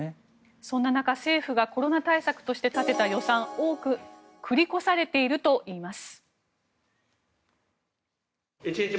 そんな中、政府がコロナ対策として立てた予算多く繰り越されているといいます。